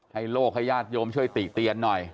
ให้โลขยาติโยมช่วยติเตียนหน่อย